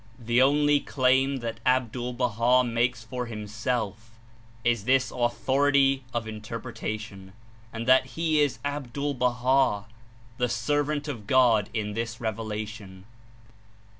The only claim that Ab dul Baha makes for himself is this authority of in terpretation and that he is Abdul Baha — the Servant of God in this Revelation.